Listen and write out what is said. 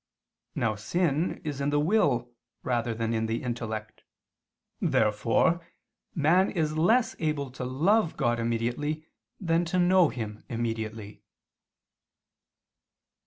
Now sin is in the will rather than in the intellect. Therefore man is less able to love God immediately than to know Him immediately.